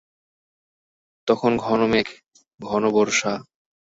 তখন ঘনমেঘ, ঘনবর্ষা।